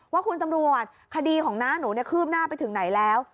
ว่าคุณตำรวจคดีของน้าหนูคืบหน้าไปถึงไหนแล้ว